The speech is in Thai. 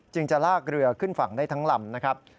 จะลากเรือขึ้นฝั่งได้ทั้งลำนะครับ